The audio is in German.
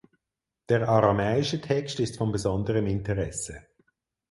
Der aramäische Text ist von besonderem Interesse.